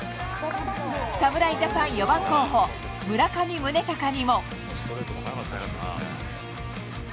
侍ジャパン４番候補、村上宗隆にも。